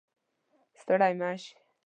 ستړی مشې